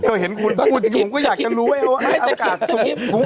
ก็เห็นคุณอุดหยุ่งกูอยากจะรู้ว่าอากาศสูง